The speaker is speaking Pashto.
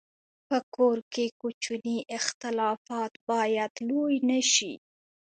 په کور کې کوچني اختلافات باید لوی نه شي.